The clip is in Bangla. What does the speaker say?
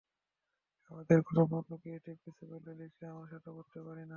আমার কোনো বন্ধু ক্রিয়েটিভ কিছু করলে, লিখলে আমরা সেটা পড়তে পারি না।